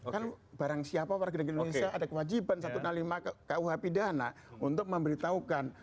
kan barang siapa warga negara indonesia ada kewajiban satu ratus enam puluh lima kuh pidana untuk memberitahukan